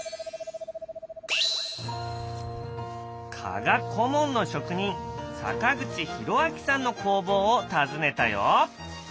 加賀小紋の職人坂口裕章さんの工房を訪ねたよ。